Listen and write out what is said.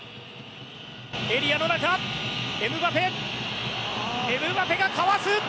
エリアの中エムバペエムバペがかわす！